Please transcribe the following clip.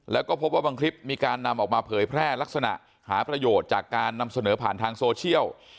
แล้วก็พบว่าบางคลิปมีการนำออกมาเผยแพร่ลักษณะหาประโยชน์จากการนำเสนอผ่านทางโซเชียล